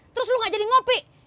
terus lo gak jadi ngopi